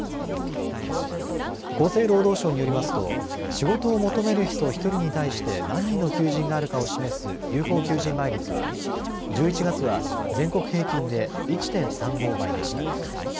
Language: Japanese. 厚生労働省によりますと仕事を求める人１人に対して何人の求人があるかを示す有効求人倍率は１１月は全国平均で１．３５倍でした。